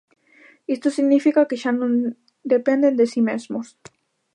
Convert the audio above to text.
Isto significa que xa non dependen de si mesmos.